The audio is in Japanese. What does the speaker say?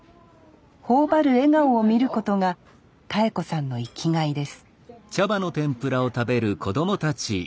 頬張る笑顔を見ることが妙子さんの生きがいですうん。